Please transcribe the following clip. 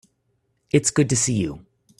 It's good to see you.